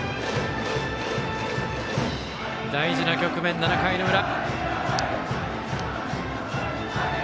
大事な局面、７回の裏。